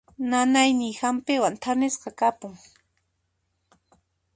Nanayniy hampiwan thanisqa kapun.